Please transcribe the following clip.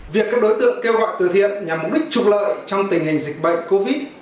việc các đối tượng kêu gọi từ thiện nhằm mục đích trục lợi trong tình hình dịch bệnh covid